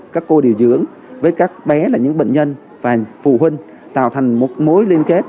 các cô điều dưỡng với các bé là những bệnh nhân và phụ huynh tạo thành một mối liên kết